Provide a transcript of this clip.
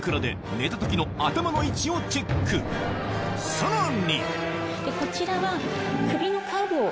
さらに！